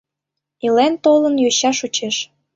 Илен-толын, йоча шочеш...